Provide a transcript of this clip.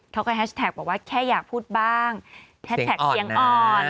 เขาก็แฮชแท็กบอกว่าแค่อยากพูดบ้างแฮชแท็กเสียงอ่อน